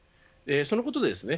そのことですね